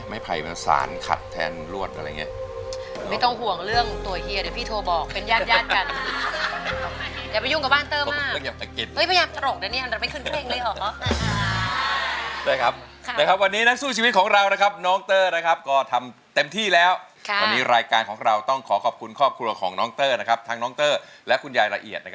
ใช้ให้มันสารขัดแทนรวดคืออะไรอย่างเนี่ย